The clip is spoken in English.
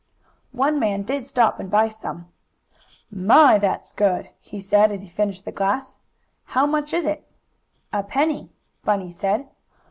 One man did stop and buy some. "My, that's good!" he said, as he finished the glass. "How much is it?" "A penny," Bunny said.